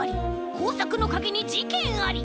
こうさくのかげにじけんあり。